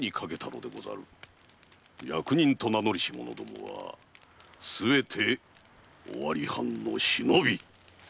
役人と名乗りし者どもはすべて尾張藩の忍び！